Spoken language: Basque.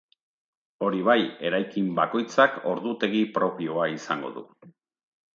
Hori bai, eraikin bakoitzak ordutegi propioa izango du.